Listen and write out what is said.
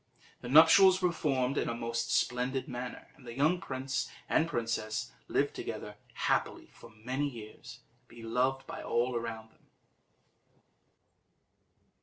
The nuptials were performed in a most splendid manner, and the young prince and princess lived together happily for many years, beloved by all around them.